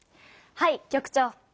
はい局長。